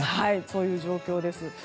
そういう状況です。